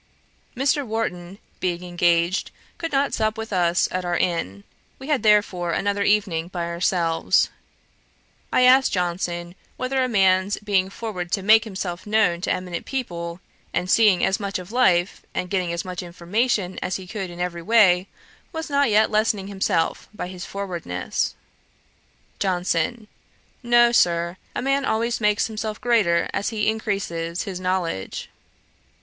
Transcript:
Mr. Warton, being engaged, could not sup with us at our inn; we had therefore another evening by ourselves. I asked Johnson, whether a man's being forward to make himself known to eminent people, and seeing as much of life, and getting as much information as he could in every way, was not yet lessening himself by his forwardness. JOHNSON. 'No, Sir; a man always makes himself greater as he increases his knowledge.'